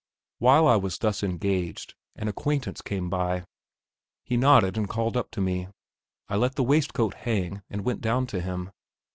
While I was thus engaged an acquaintance came by; he nodded and called up to me. I let the waistcoat hang and went down to him.